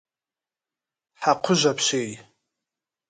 Хьэкъужь апщий.